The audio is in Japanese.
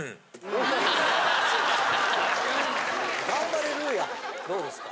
ガンバレルーヤどうですか？